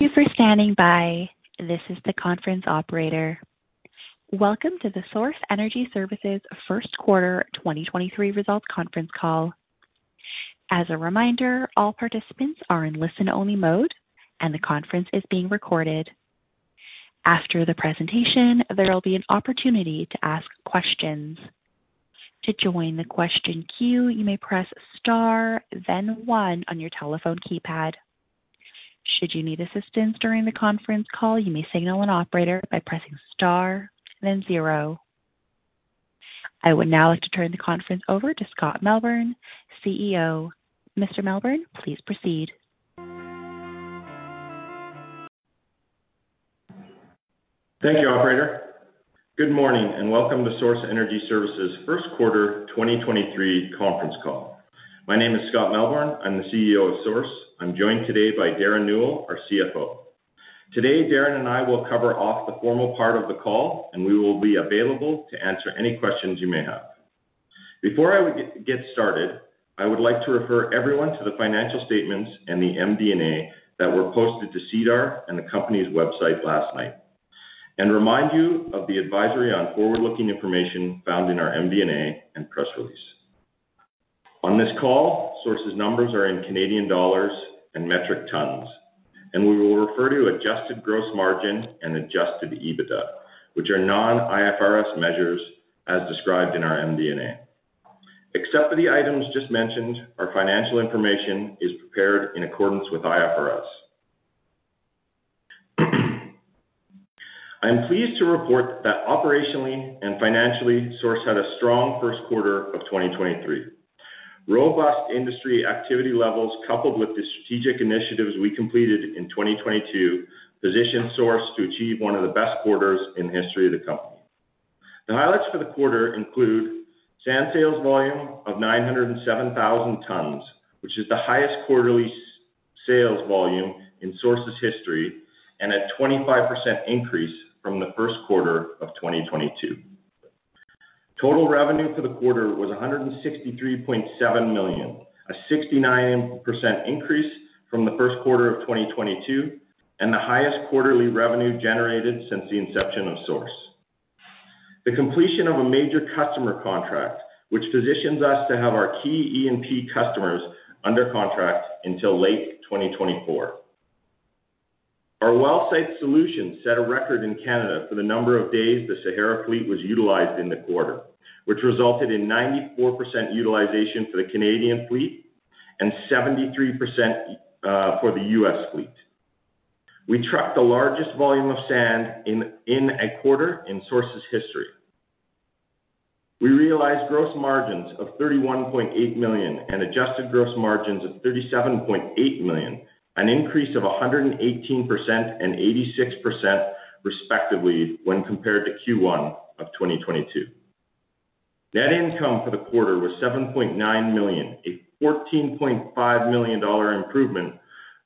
Thank you for standing by. This is the conference operator. Welcome to the Source Energy Services Q1 2023 results conference call. As a reminder, all participants are in listen-only mode, and the conference is being recorded. After the presentation, there will be an opportunity to ask questions. To join the question queue, you may press star then one on your telephone keypad. Should you need assistance during the conference call, you may signal an operator by pressing star then zero. I would now like to turn the conference over to Scott Melbourn, CEO. Mr. Melbourn, please proceed. Thank you, operator. Good morning and welcome to Source Energy Services Q1 2023 conference call. My name is Scott Melbourn. I'm the CEO of Source. I'm joined today by Derren Newell, our CFO. Today, Derren and I will cover off the formal part of the call, and we will be available to answer any questions you may have. Before I get started, I would like to refer everyone to the financial statements and the MD&A that were posted to SEDAR and the company's website last night and remind you of the advisory on forward-looking information found in our MD&A and press release. On this call, Source's numbers are in Canadian dollars and metric tons, and we will refer to Adjusted Gross Margin and Adjusted EBITDA, which are non-IFRS measures as described in our MD&A. Except for the items just mentioned, our financial information is prepared in accordance with IFRS. I am pleased to report that operationally and financially, Source had a strong Q1 of 2023. Robust industry activity levels, coupled with the strategic initiatives we completed in 2022, positioned Source to achieve one of the best quarters in the history of the company. The highlights for the quarter include sand sales volume of 907,000 tons, which is the highest quarterly sales volume in Source's history and a 25% increase from the Q1 of 2022. Total revenue for the quarter was 163.7 million, a 69% increase from the Q1 of 2022 and the highest quarterly revenue generated since the inception of Source. The completion of a major customer contract, which positions us to have our key E&P customers under contract until late 2024. Our well site solutions set a record in Canada for the number of days the Sahara fleet was utilized in the quarter, which resulted in 94% utilization for the Canadian fleet and 73% for the U.S. fleet. We tracked the largest volume of sand in a quarter in Source's history. We realized gross margins of 31.8 million and Adjusted Gross Margins of 37.8 million, an increase of 118% and 86% respectively when compared to Q1 of 2022. Net income for the quarter was 7.9 million, a 14.5 million dollar improvement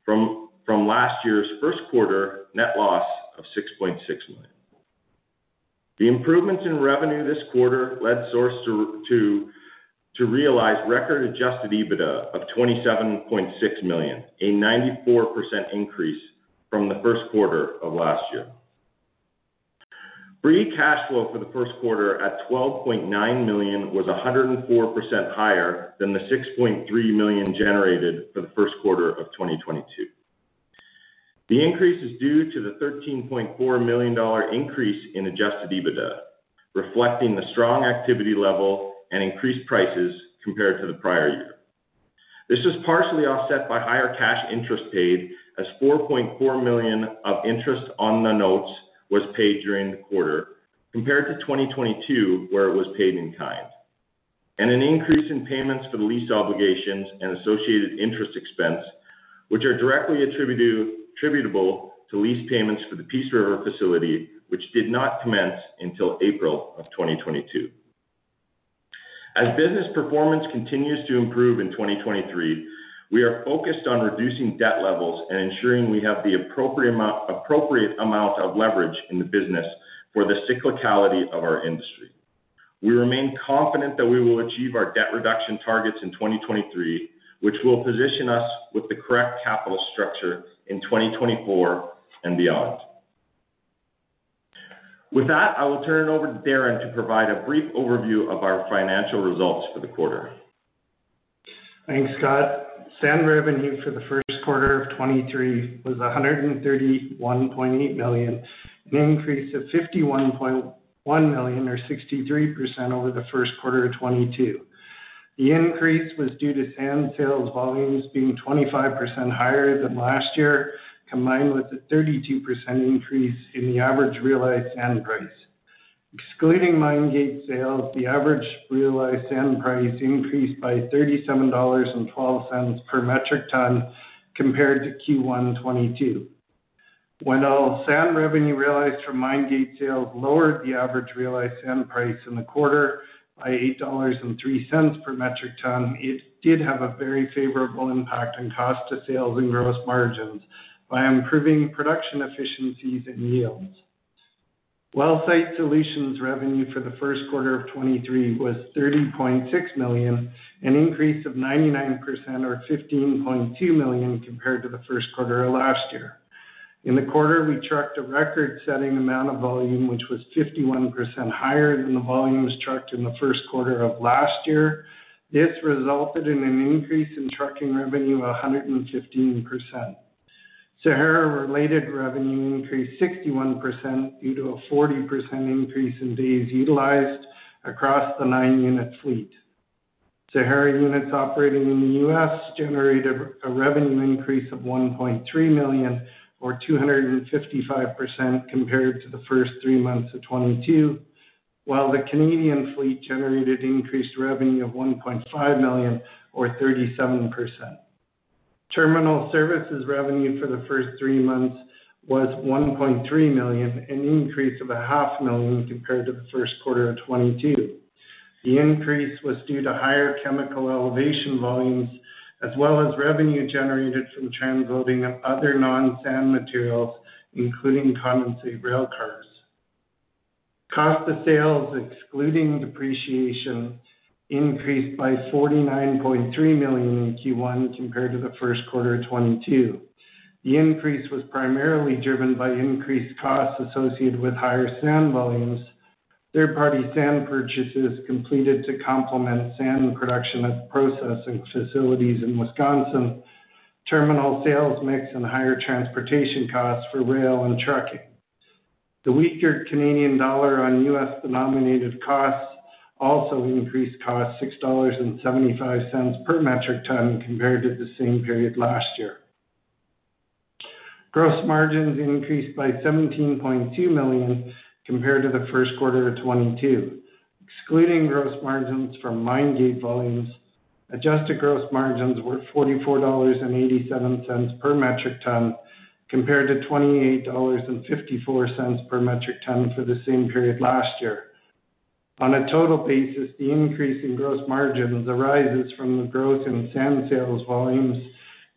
from last year's Q1 net loss of 6.6 million. The improvements in revenue this quarter led Source to realize record Adjusted EBITDA of 27.6 million, a 94% increase from the Q1 of last year. Free cash flow for the Q1 at 12.9 million was 104% higher than the 6.3 million generated for the Q1 of 2022. The increase is due to the 13.4 million dollar increase in Adjusted EBITDA, reflecting the strong activity level and increased prices compared to the prior year. This was partially offset by higher cash interest paid as 4.4 million of interest on the notes was paid during the quarter compared to 2022, where it was paid in kind, and an increase in payments for the lease obligations and associated interest expense, which are directly attributable to lease payments for the Peace River facility, which did not commence until April of 2022. As business performance continues to improve in 2023, we are focused on reducing debt levels and ensuring we have the appropriate amount of leverage in the business for the cyclicality of our industry. We remain confident that we will achieve our debt reduction targets in 2023, which will position us with the correct capital structure in 2024 and beyond. With that, I will turn it over to Derren to provide a brief overview of our financial results for the quarter. Thanks, Scott. Sand revenue for the Q1 of 2023 was 131.8 million, an increase of 51.1 million or 63% over the Q1 of 2022. The increase was due to sand sales volumes being 25% higher than last year, combined with a 32% increase in the average realized sand price. Excluding mine gate sales, the average realized sand price increased by 37.12 dollars per metric ton compared to Q1 2022. When all sand revenue realized from mine gate sales lowered the average realized sand price in the quarter by 8.03 dollars per metric ton, it did have a very favorable impact on cost to sales and gross margins by improving production efficiencies and yields. well site solutions revenue for the Q1 of2023 was 30.6 million, an increase of 99% or 15.2 million compared to the Q1 of last year. In the quarter, we trucked a record-setting amount of volume, which was 51% higher than the volumes trucked in the Q1 of last year. This resulted in an increase in trucking revenue 115%. Sahara related revenue increased 61% due to a 40% increase in days utilized across the nine-unit fleet. Sahara units operating in the U.S. generated a revenue increase of 1.3 million or 255% compared to the first three months of 2022, while the Canadian fleet generated increased revenue of 1.5 million or 37%. Terminal services revenue for the first three months was 1.3 million, an increase of a half million compared to the Q1 of 2022. The increase was due to higher chemical elevation volumes as well as revenue generated from transloading of other non-sand materials, including condensate rail cars. Cost of sales, excluding depreciation, increased by 49.3 million in Q1 compared to the Q1 of 2022. The increase was primarily driven by increased costs associated with higher sand volumes, third party sand purchases completed to complement sand production at processing facilities in Wisconsin, terminal sales mix and higher transportation costs for rail and trucking. The weaker Canadian dollar on USD denominated costs also increased costs $6.75 per metric ton compared to the same period last year. Gross margins increased by $17.2 million compared to the Q1 of 2022. Excluding gross margins from mine gate volumes, Adjusted Gross Margins were $44.87 per metric ton, compared to $28.54 per metric ton for the same period last year. On a total basis, the increase in gross margins arises from the growth in sand sales volumes,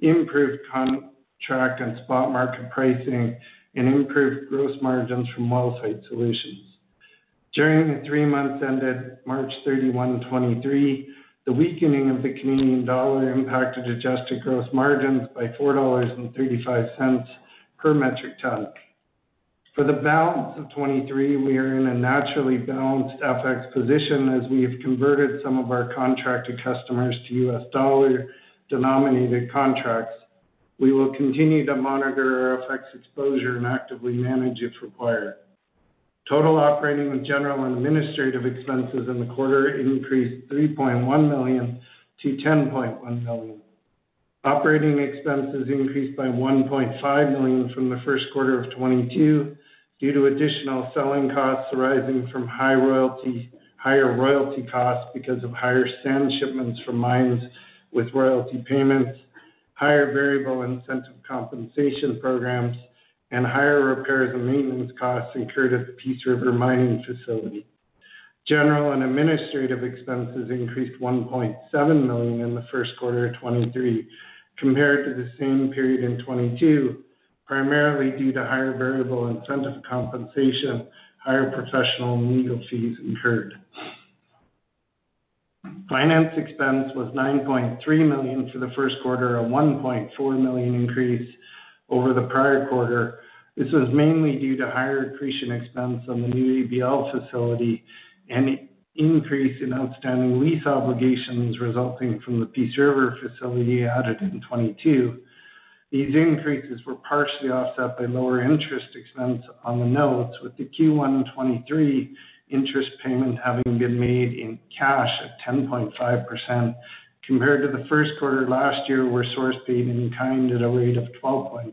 improved contract and spot market pricing, and improved gross margins from well site solutions. During the three months ended March 31, 2023, the weakening of the Canadian dollar impacted Adjusted Gross Margin by 4.35 dollars per metric ton. For the balance of 2023, we are in a naturally balanced FX position as we have converted some of our contracted customers to US dollar denominated contracts. We will continue to monitor our FX exposure and actively manage if required. Total operating with general and administrative expenses in the quarter increased 3.1 million to 10.1 million. Operating expenses increased by 1.5 million from the Q1 of 2022 due to additional selling costs arising from higher royalty costs because of higher sand shipments from mines with royalty payments, higher variable incentive compensation programs, and higher repairs and maintenance costs incurred at the Peace River mining facility. General and administrative expenses increased 1.7 million in the Q1 of 2023 compared to the same period in 2022, primarily due to higher variable incentive compensation, higher professional and legal fees incurred. Finance expense was 9.3 million for the Q1 at 1.4 million increase over the prior quarter. This was mainly due to higher accretion expense on the new ABL facility and an increase in outstanding lease obligations resulting from the Peace River facility added in 2022. These increases were partially offset by lower interest expense on the notes, with the Q1 2023 interest payment having been made in cash at 10.5% compared to the Q1 last year, where Source paid in kind at a rate of 12.5%.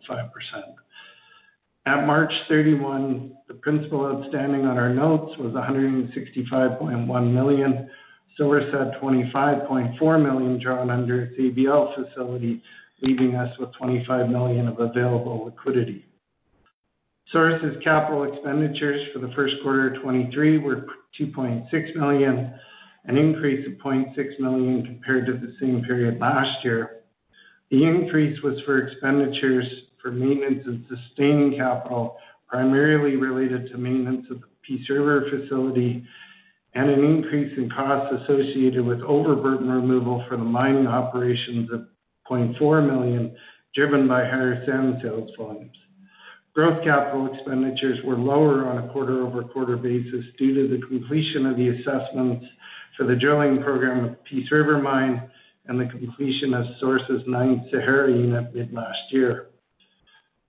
At March 31, the principal outstanding on our notes was 165.1 million. Source had 25.4 million drawn under its ABL facility, leaving us with 25 million of available liquidity. Source's capital expenditures for the Q1 of 2023 were 2.6 million, an increase of 0.6 million compared to the same period last year. The increase was for expenditures for maintenance and sustaining capital, primarily related to maintenance of the Peace River facility and an increase in costs associated with overburden removal for the mining operations of 0.4 million, driven by higher sand sales volumes. Growth capital expenditures were lower on a quarter-over-quarter basis due to the completion of the assessments for the drilling program of Peace River Mine and the completion of Source's ninth Sahara unit mid last year.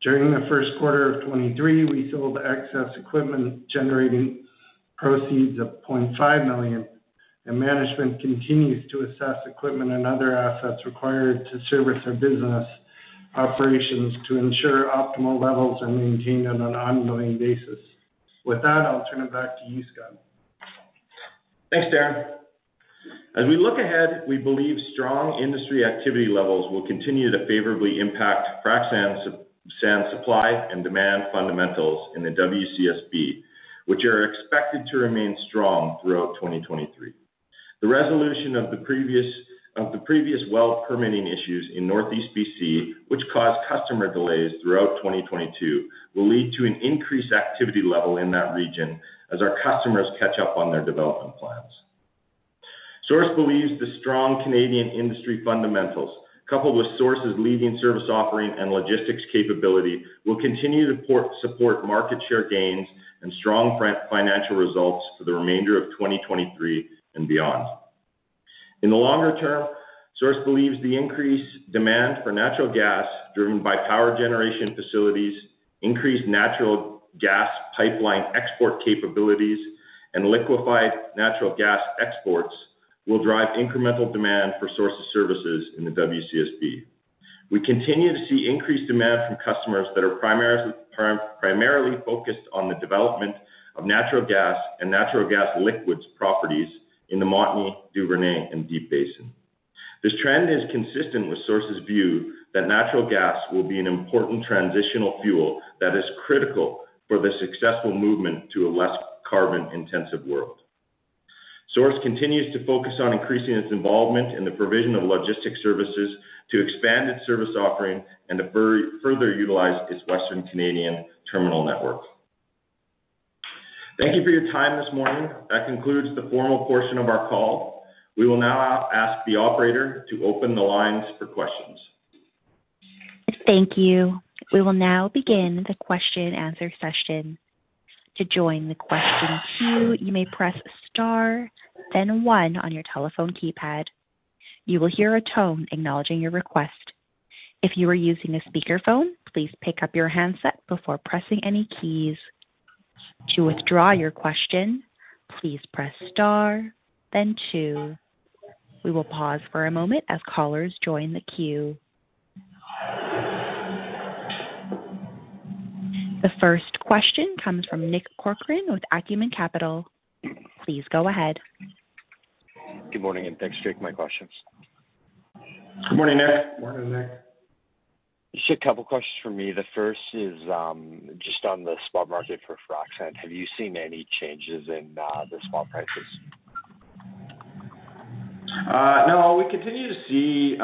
During the Q1 of 2023, we sold excess equipment, generating proceeds of 0.5 million, and management continues to assess equipment and other assets required to service our business operations to ensure optimal levels are maintained on an ongoing basis. With that, I'll turn it back to you, Scott. Thanks, Derren. As we look ahead, we believe strong industry activity levels will continue to favorably impact frac sand supply and demand fundamentals in the WCSB, which are expected to remain strong throughout 2023. The resolution of the previous well permitting issues in Northeast BC, which caused customer delays throughout 2022, will lead to an increased activity level in that region as our customers catch up on their development plans. Source believes the strong Canadian industry fundamentals, coupled with Source's leading service offering and logistics capability, will continue to support market share gains and strong financial results for the remainder of 2023 and beyond. In the longer term, Source believes the increased demand for natural gas driven by power generation facilities, increased natural gas pipeline export capabilities, and liquefied natural gas exports will drive incremental demand for Source of services in the WCSB. We continue to see increased demand from customers that are primarily focused on the development of natural gas and natural gas liquids properties in the Montney, Duvernay and Deep Basin. This trend is consistent with Source's view that natural gas will be an important transitional fuel that is critical for the successful movement to a less carbon-intensive world. Source continues to focus on increasing its involvement in the provision of logistic services to expand its service offering and to further utilize its Western Canadian terminal network. Thank you for your time this morning. That concludes the formal portion of our call. We will now ask the operator to open the lines for questions. Thank you. We will now begin the question-answer session. To join the question queue, you may press star then one on your telephone keypad. You will hear a tone acknowledging your request. If you are using a speakerphone, please pick up your handset before pressing any keys. To withdraw your question, please press star then two. We will pause for a moment as callers join the queue. The first question comes from Nick Corcoran with Acumen Capital. Please go ahead. Good morning. Thanks for taking my questions. Good morning, Nick. Morning, Nick. Just a couple questions for me. The first is, just on the spot market for frac sand. Have you seen any changes in the spot prices? No. We continue to see.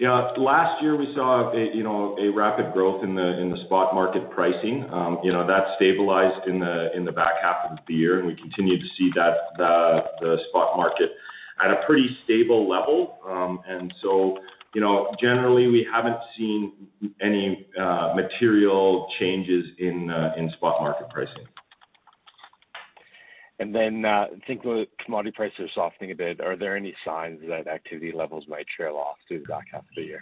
You know, last year we saw, you know, a rapid growth in the, in the spot market pricing. You know, that stabilized in the, in the back half of the year, and we continue to see that, the spot market at a pretty stable level. You know, generally, we haven't seen any material changes in spot market pricing. I think with commodity prices softening a bit, are there any signs that activity levels might trail off through the back half of the year?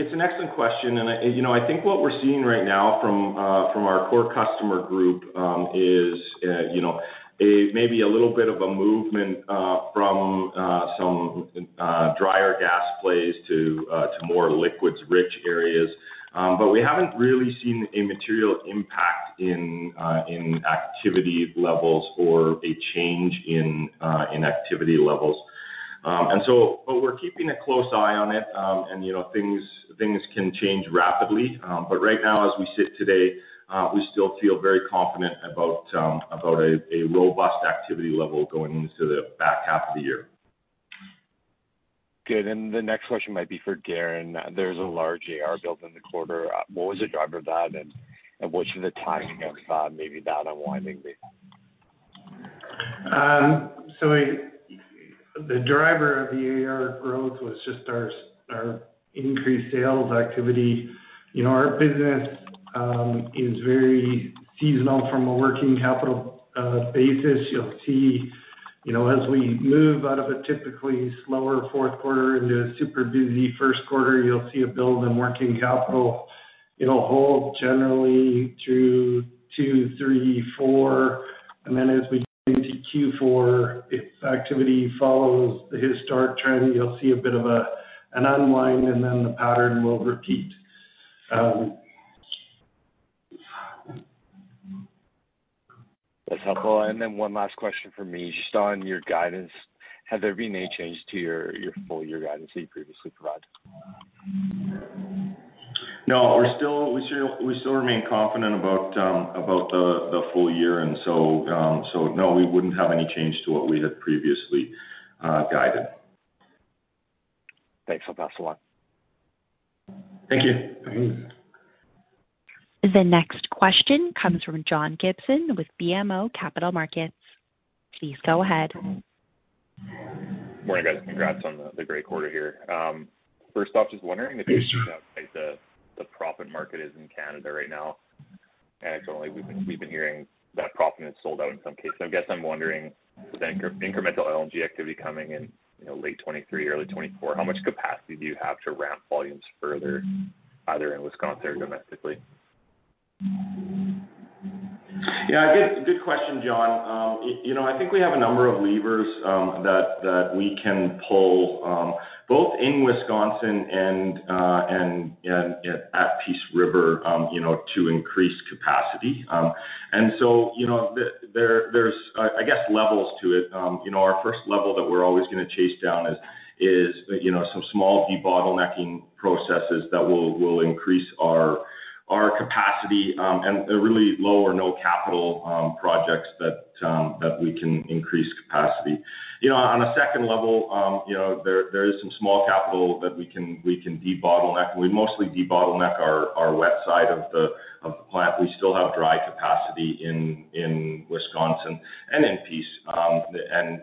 It's an excellent question, and you know, I think what we're seeing right now from our core customer group is, you know, a maybe a little bit of a movement from some drier gas plays to more liquids rich areas. We haven't really seen a material impact in activity levels or a change in activity levels. We're keeping a close eye on it. You know, things can change rapidly. Right now, as we sit today, we still feel very confident about a robust activity level going into the back half of the year. Good. The next question might be for Derren. There's a large AR build in the quarter. What was the driver of that, and what is the timing of maybe that unwinding? The driver of the AR growth was just our increased sales activity. You know, our business is very seasonal from a working capital basis. You'll see, you know, as we move out of a typically slower Q4 into a super busy Q1, you'll see a build in working capital. It'll hold generally through two, three, four, and then as we get into Q4, if activity follows the historic trend, you'll see a bit of an unwind, and then the pattern will repeat. That's helpful. One last question from me, just on your guidance. Has there been any change to your full year guidance that you previously provided? We still remain confident about the full year and so no, we wouldn't have any change to what we had previously guided. Thanks. I'll pass along. Thank you. Thanks. The next question comes from John Gibson with BMO Capital Markets. Please go ahead. Morning, guys. Congrats on the great quarter here. First off, just wondering if you can Thanks, John. Speak to how tight the proppant market is in Canada right now. Anecdotally, we've been hearing that proppant is sold out in some cases. I guess I'm wondering with incremental LNG activity coming in, you know, late 2023, early 2024, how much capacity do you have to ramp volumes further either in Wisconsin or domestically? Yeah, good question, John. I think we have a number of levers that we can pull both in Wisconsin and at Peace River to increase capacity. There's I guess levels to it. Our first level that we're always going to chase down is, you know, some small debottlenecking processes that will increase our capacity and really low or no capital projects that we can increase capacity. On a second level, there is some small capital that we can debottleneck. We mostly debottleneck our wet side of the plant. We still have dry capacity in Wisconsin and in Peace.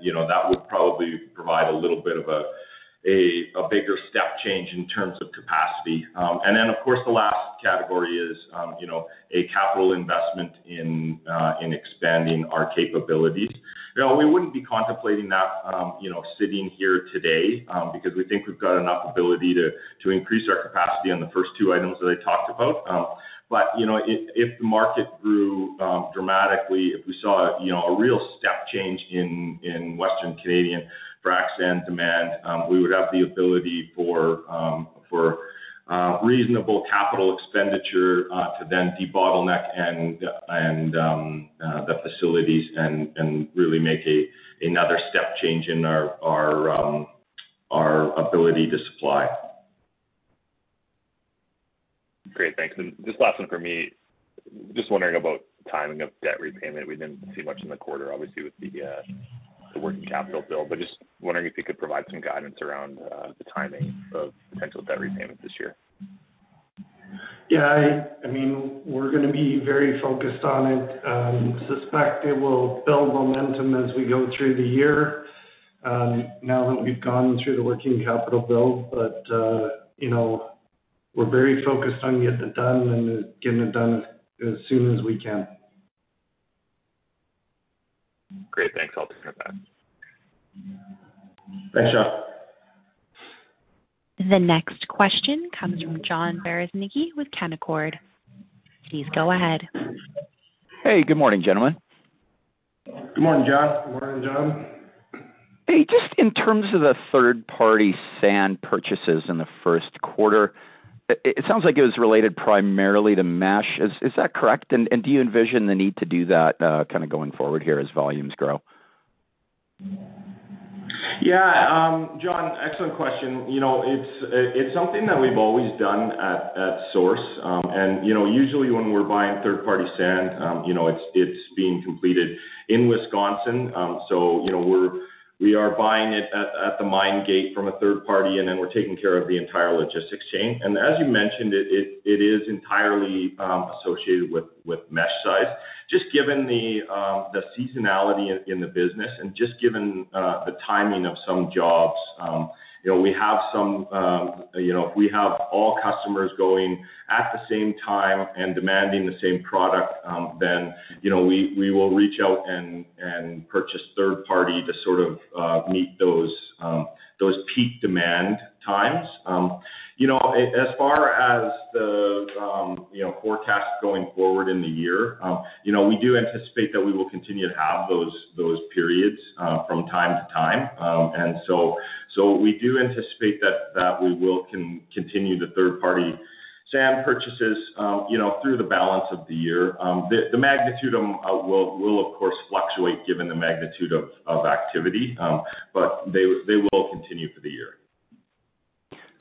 You know, that would probably provide a little bit of a bigger step change in terms of capacity. Then, of course, the last category is, you know, a capital investment in expanding our capabilities. You know, we wouldn't be contemplating that, you know, sitting here today, because we think we've got enough ability to increase our capacity on the first two items that I talked about. You know, if the market grew dramatically, if we saw, you know, a real step change in Western Canadian frac sand demand, we would have the ability for reasonable capital expenditure to then debottleneck and the facilities and really make another step change in our ability to supply. Great. Thanks. Just last one for me. Just wondering about timing of debt repayment. We didn't see much in the quarter, obviously, with the working capital build, just wondering if you could provide some guidance around the timing of potential debt repayments this year. I mean, we're gonna be very focused on it. Suspect it will build momentum as we go through the year, now that we've gone through the working capital build. You know, we're very focused on getting it done and getting it done as soon as we can. Great. Thanks. I'll turn it back. Thanks, John The next question comes from John Bereznicki with Canaccord. Please go ahead. Hey, good morning, gentlemen. Good morning, John. Good morning, John. Hey, just in terms of the third-party sand purchases in the Q1, it sounds like it was related primarily to mesh. Is that correct? Do you envision the need to do that, kind of, going forward here as volumes grow? Yeah. John, excellent question. You know, it's something that we've always done at Source. You know, usually when we're buying third-party sand, you know, it's being completed in Wisconsin. You know, we are buying it at the mine gate from a third party, and then we're taking care of the entire logistics chain. As you mentioned, it is entirely associated with mesh size. Just given the seasonality in the business and just given the timing of some jobs, you know, we have some, you know, if we have all customers going at the same time and demanding the same product, then, you know, we will reach out and purchase third party to sort of meet those peak demand times. you know, as far as the, you know, forecast going forward in the year, you know, we do anticipate that we will continue to have those periods from time to time. We do anticipate that we will continue the third-party sand purchases, you know, through the balance of the year. The magnitude will of course fluctuate given the magnitude of activity, but they will continue for the year.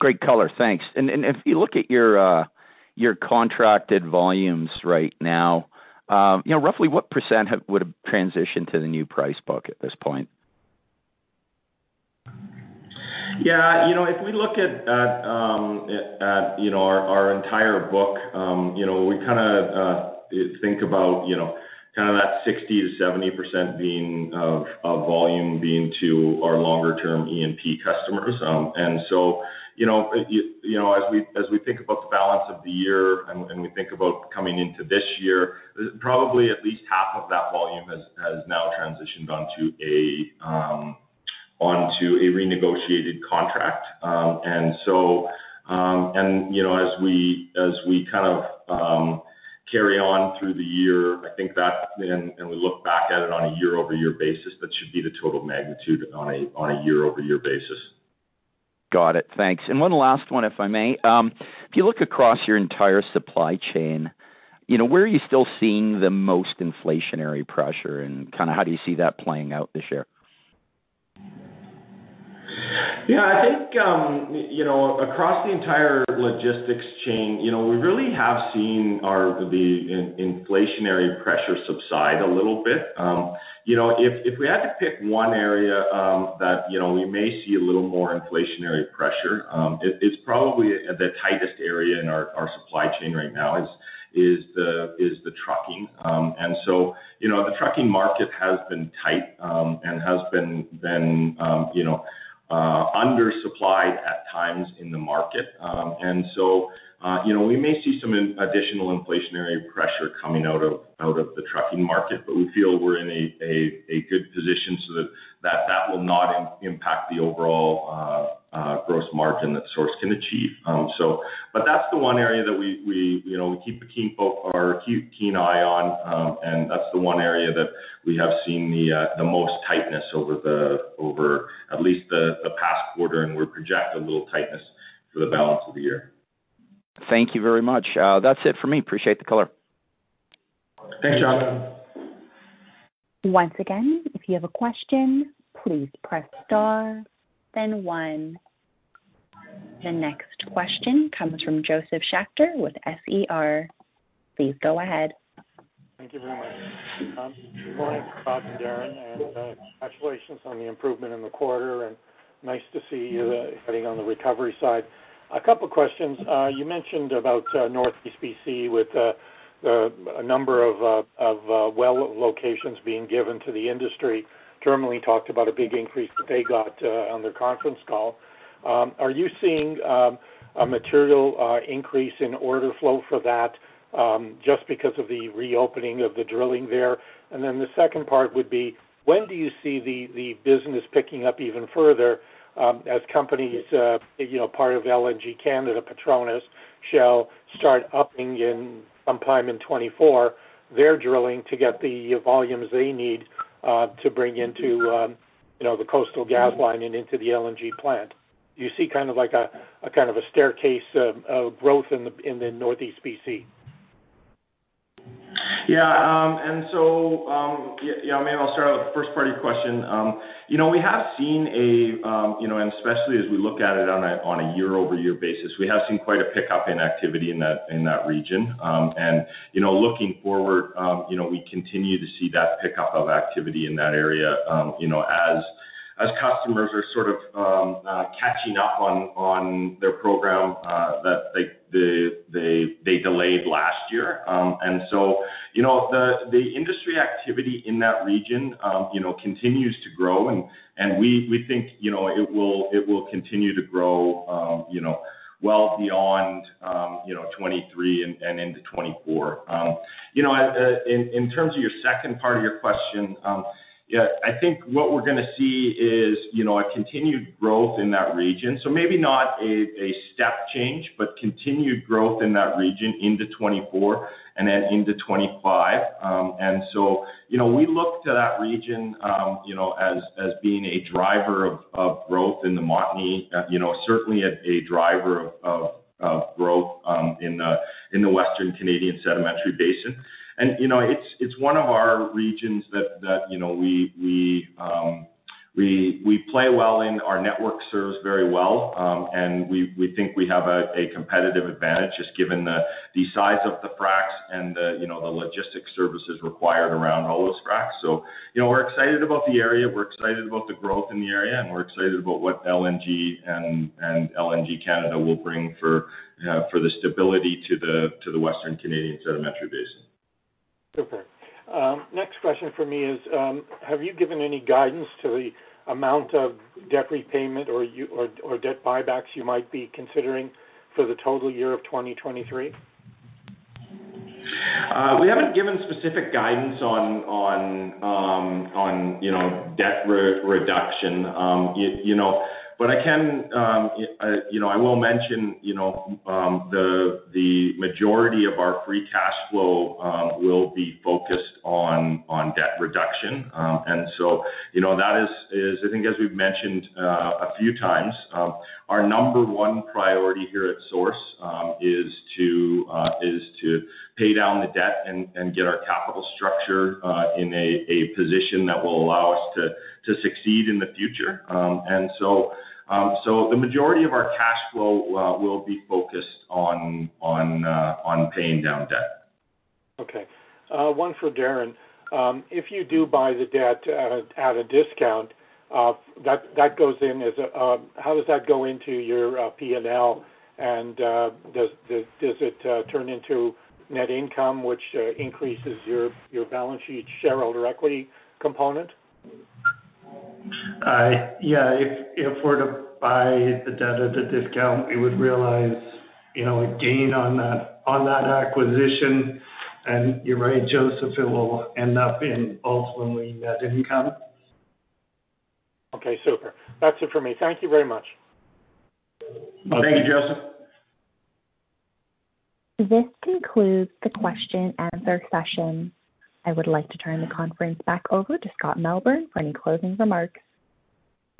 Great color. Thanks. If you look at your contracted volumes right now, you know, roughly what % would have transitioned to the new price book at this point? Yeah. You know, if we look at, you know, our entire book, you know, we kinda think about, you know, kind of that 60%-70% being of volume being to our longer-term E&P customers. You know, as we think about the balance of the year and we think about coming into this year, probably at least half of that volume has now transitioned onto a renegotiated contract. You know, as we kind of carry on through the year, and we look back at it on a year-over-year basis, that should be the total magnitude on a year-over-year basis. Got it. Thanks. One last one, if I may. If you look across your entire supply chain, you know, where are you still seeing the most inflationary pressure? Kind of how do you see that playing out this year? Yeah, I think, you know, across the entire logistics chain, you know, we really have seen the inflationary pressure subside a little bit. You know, if we had to pick one area, that, you know, we may see a little more inflationary pressure, it's probably the tightest area in our supply chain right now is the trucking. You know, the trucking market has been tight and has been, you know, undersupplied at times in the market. You know, we may see some additional inflationary pressure coming out of the trucking market, but we feel we're in a good position so that that will not impact the overall gross margin that Source can achieve. But that's the one area that we, you know, we keep a keen eye on. That's the one area that we have seen the most tightness over the, over at least the past quarter, and we're projecting a little tightness for the balance of the year. Thank you very much. That's it for me. Appreciate the color. Thanks, John. Once again, if you have a question, please press star then one. The next question comes from Josef Schachter with SER. Please go ahead. Thank you very much. Good morning, Scott and Darren, congratulations on the improvement in the quarter and nice to see you getting on the recovery side. A couple questions. You mentioned about Northeast BC with a number of well locations being given to the industry. Germaine talked about a big increase that they got on their conference call. Are you seeing a material increase in order flow for that just because of the reopening of the drilling there? The second part would be, when do you see the business picking up even further, as companies, you know, part of LNG Canada, PETRONAS, Shell, start upping in, sometime in 2024, their drilling to get the volumes they need, to bring into, you know, the Coastal GasLink and into the LNG plant? Do you see kind of like a kind of a staircase of growth in the Northeast BC? Yeah. I mean, I'll start off with the first part of your question. You know, we have seen a, you know, and especially as we look at it on a, on a year-over-year basis, we have seen quite a pickup in activity in that, in that region. Looking forward, you know, we continue to see that pickup of activity in that area, you know, as customers are sort of catching up on their program that they delayed last year. The industry activity in that region, you know, continues to grow and we think, you know, it will continue to grow, you know, well beyond, you know, 2023 and into 2024. You know, in terms of your second part of your question, yeah, I think what we're gonna see is, you know, a continued growth in that region. Maybe not a step change, but continued growth in that region into 2024 and then into 2025. You know, we look to that region, you know, as being a driver of growth in the Montney, you know, certainly a driver of growth in the Western Canadian Sedimentary Basin. You know, it's one of our regions that, you know, we play well in, our network serves very well, and we think we have a competitive advantage just given the size of the fracs and the, you know, the logistics services required around all those fracs. You know, we're excited about the area, we're excited about the growth in the area, and we're excited about what LNG and LNG Canada will bring for the stability to the Western Canadian Sedimentary Basin. Okay. Next question for me is, have you given any guidance to the amount of debt repayment or debt buybacks you might be considering for the total year of 2023? We haven't given specific guidance on, you know, debt reduction. What I can, you know, I will mention, you know, the majority of our free cash flow will be focused on debt reduction. You know, that is, I think as we've mentioned a few times, our number one priority here at Source is to pay down the debt and get our capital structure in a position that will allow us to succeed in the future. The majority of our cash flow will be focused on paying down debt. Okay, one for Darren. If you do buy the debt at a discount, how does that go into your P&L? Does it turn into net income, which increases your balance sheet shareholder equity component? Yeah. If we're to buy the debt at a discount, we would realize, you know, a gain on that acquisition. You're right, Josef, it will end up in ultimately net income. Okay, super. That's it for me. Thank you very much. Thank you, Josef. This concludes the question-and-answer session. I would like to turn the conference back over to Scott Melbourn for any closing remarks.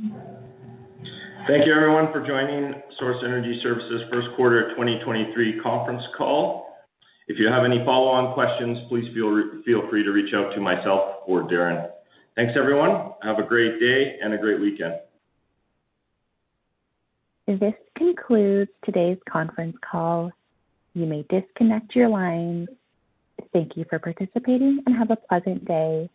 Thank you everyone for joining Source Energy Services Q1 of 2023 conference call. If you have any follow-on questions, please feel free to reach out to myself or Darren. Thanks everyone. Have a great day and a great weekend. This concludes today's conference call. You may disconnect your lines. Thank you for participating and have a pleasant day.